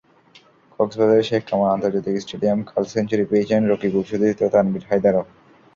কক্সবাজারের শেখ কামাল আন্তর্জাতিক স্টেডিয়ামে কাল সেঞ্চুরি পেয়েছেন রকিবুল-সতীর্থ তানভীর হায়দারও।